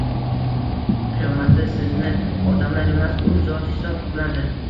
Qiyomatda sizni odamlar emas, U Zot hisob qiladi.